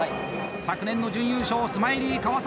昨年の準優勝、スマイリー川里。